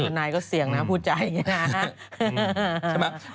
คุณท่านนายก็เสี่ยงนะพูดใจอย่างนี้นะ